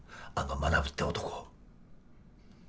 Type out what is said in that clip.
あの学って男。